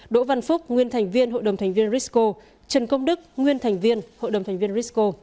đỗ văn phúc nguyên thành viên hội đồng thành viên risco trần công đức nguyên thành viên hội đồng thành viên risco